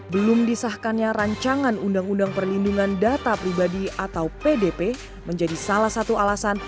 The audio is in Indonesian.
belum disahkannya rancangan undang undang perlindungan data pribadi atau pdp menjadi salah satu alasan